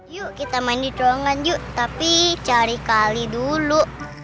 yuk kita main di ruangan yuk tapi cari kali dulu